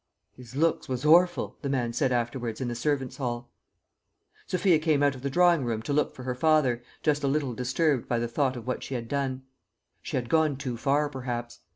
"His looks was orful!" the man said afterwards in the servants' hall. Sophia came out of the drawing room to look for her father, just a little disturbed by the thought of what she had done. She had gone too far, perhaps.